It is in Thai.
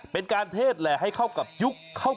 เป็นการเทศแหละให้เข้ากับยุคทุกของพระนักเทศเตือนภัย